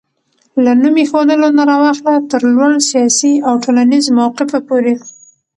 له نوم ايښودلو نه راواخله تر لوړ سياسي او ټولنيز موقفه پورې